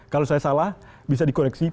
kalau saya salah bisa dikoreksi